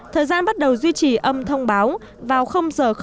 thời gian bắt đầu duy trì âm thông báo vào h